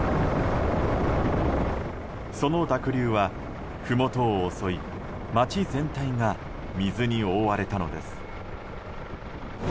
その濁流はふもとを襲い町全体が水に覆われたのです。